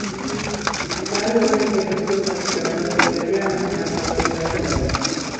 Baali bawerekedde ku Robert Kyagulanyi bwe yali anoonya akalulu e Kalangala.